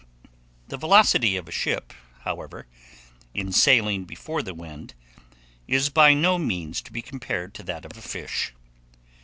The velocity of a ship, however, in sailing before the wind, is by no means to be compared to that of a fish.